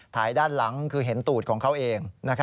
ด้านหลังคือเห็นตูดของเขาเอง